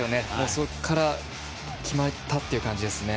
そこから決まったという感じですね。